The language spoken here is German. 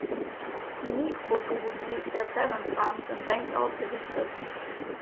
Die Mikrotubuli der Zellmembran sind längs ausgerichtet.